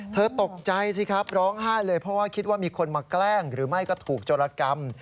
ตกใจสิครับร้องไห้เลยเพราะว่าคิดว่ามีคนมาแกล้งหรือไม่ก็ถูกโจรกรรม